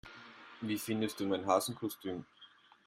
Wie findest du mein Hasenkostüm?